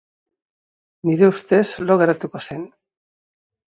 Nire ustez lo geratuko zen.